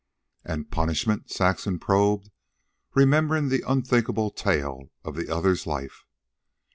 "And punishment?" Saxon probed, remembering the unthinkable tale of the other's life.